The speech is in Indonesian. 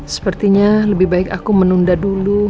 sepertinya lebih baik aku menunda dulu